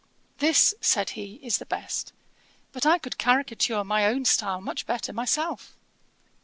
'This (said he,) is the best. But I could caricature my own style much better myself.'